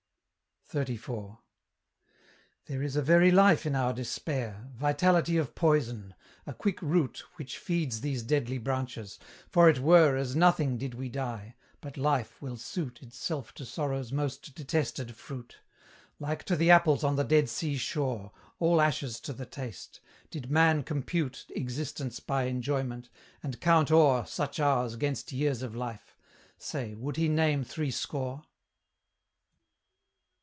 XXXIV. There is a very life in our despair, Vitality of poison, a quick root Which feeds these deadly branches; for it were As nothing did we die; but life will suit Itself to Sorrow's most detested fruit, Like to the apples on the Dead Sea shore, All ashes to the taste: Did man compute Existence by enjoyment, and count o'er Such hours 'gainst years of life, say, would he name threescore?